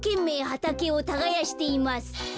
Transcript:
はたけをたがやしています。